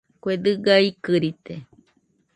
Kue dɨga ikɨrite